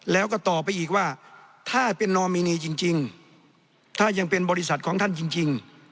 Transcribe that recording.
แล้วก็ต่อไปอีกว่าถ้าเป็นนอมินีจริงถ้ายังเป็นบริษัทของท่านจริง